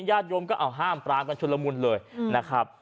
ญาติโยมก็เอาห้ามปรามกันชุดละมุนเลยนะครับ